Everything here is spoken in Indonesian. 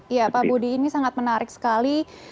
ya pak budi ini sangat menarik sekali